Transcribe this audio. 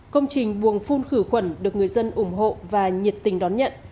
công trình buồng phun khử khuẩn được người dân ủng hộ và nhiệt tình đón nhận